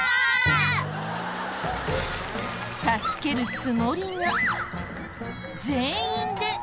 助けるつもりが全員で落下。